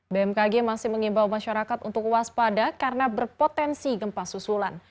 bmkg masih mengimbau masyarakat untuk waspada karena berpotensi gempa susulan